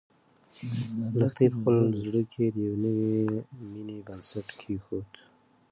لښتې په خپل زړه کې د یوې نوې مېنې بنسټ کېښود.